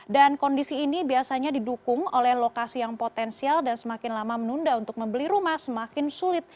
dan kondisi ini biasanya didukung oleh lokasi yang potensial dan semakin lama menunda untuk membeli rumah semakin sulit